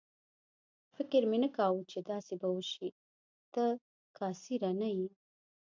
فکر مې نه کاوه چې داسې به وشي، ته کاسېره نه یې.